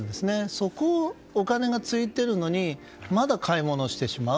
底をお金がついているのにまだ買い物をしてしまう。